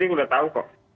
saya sudah tahu kok